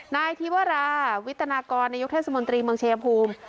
นายธิวราวิตนากรนายกเทศมนตรีเมืองชายภูมิ